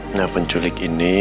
nah penculik ini